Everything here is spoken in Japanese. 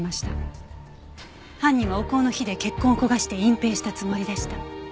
犯人はお香の火で血痕を焦がして隠蔽したつもりでした。